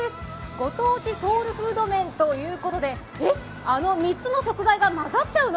ご当地ソウルフード麺ということでえっ、あの３つの食材が混ざっちゃうの？